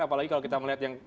apalagi kalau kita melihat yang